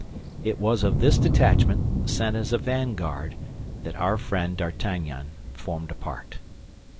It was of this detachment, sent as a vanguard, that our friend D'Artagnan formed a part.